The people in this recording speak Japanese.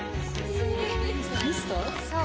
そう。